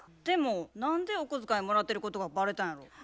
でも何でお小遣いもらってることがバレたんやろ？